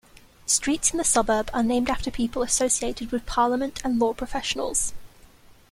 Streets in the suburb are named after people associated with parliament, and law professionals.